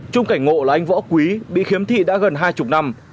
trung cảnh ngộ là anh võ quý bị khiếm thị đã gần hai mươi năm